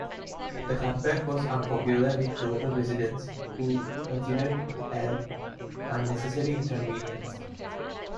The cutback was unpopular with local residents, who considered it an unnecessary inconvenience.